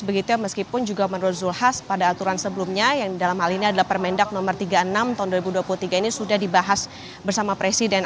begitu meskipun juga menurut zulkifli hasan pada aturan sebelumnya yang dalam hal ini adalah permendag no tiga puluh enam tahun dua ribu dua puluh tiga ini sudah dibahas bersama presiden